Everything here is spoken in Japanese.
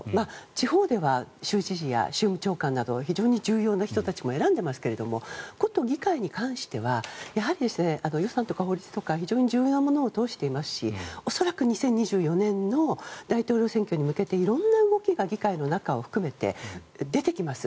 地方では州務長官など州務長官など非常に重要な人たちも選んでいますが事、議会に関しては予算とか法律とか非常に重要なものを通していますし恐らく２０２４年の大統領選挙に向けて色んな動きが議会の中を含めて出てきます。